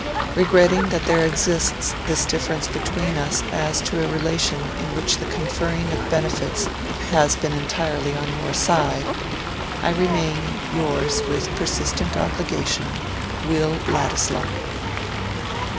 Regretting that there exists this difference between us as to a relation in which the conferring of benefits has been entirely on your side— I remain, yours with persistent obligation, WILL LADISLAW."